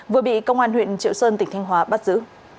vừa bị công an huyện triệu sơn tỉnh thanh hóa bắt giữ